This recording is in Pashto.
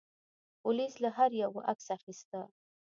پولیس له هر یوه عکس اخیسته.